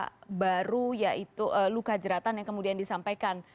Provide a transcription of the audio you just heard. ada baru yaitu luka jeratan yang kemudian disampaikan